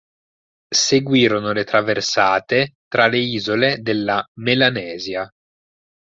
Seguirono le traversate tra le isole della Melanesia.